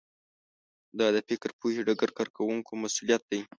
دا د فکر پوهې ډګر کارکوونکو مسوولیت دی